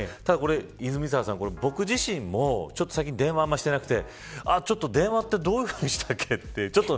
泉澤さん、僕自身も最近では電話をあまりしてなくてちょっと電話ってどういうふうにしてたっけって。